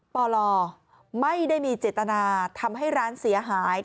ปลไม่ได้มีเจตนาทำให้ร้านเสียหาย